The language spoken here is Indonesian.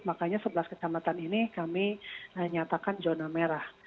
makanya sebelas kecamatan ini kami nyatakan zona merah